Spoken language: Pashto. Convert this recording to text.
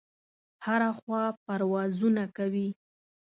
هره خوا پروازونه کوي.